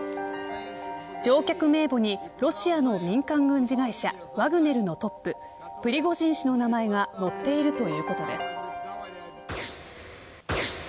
乗客名簿にロシアの民間軍事会社ワグネルのトッププリゴジン氏の名前が載っているということです。